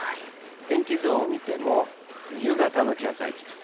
天気図を見ても、冬型の気圧配置です。